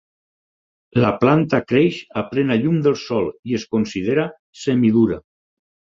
La planta creix a plena llum del sol i es considera "semi" dura.